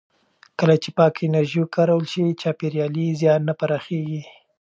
کله چې پاکه انرژي وکارول شي، چاپېریالي زیان نه پراخېږي.